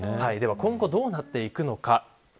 今後どうなっていくのか。